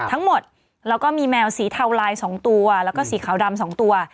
ทั้งหมดแล้วก็มีแมวสีเทาลาย๒ตัวแล้วก็สีขาวดำ๒ตัว